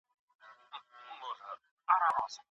د ارغنداب سیند اوبه د میوو خوند زیاتوي.